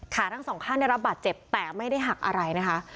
ขาทั้งสองข้างได้รับบาดเจ็บแต่ไม่ได้หักอะไรนะคะ